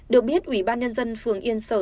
được biết ủy ban nhân dân phường yên sở